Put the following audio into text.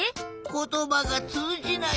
ことばがつうじない。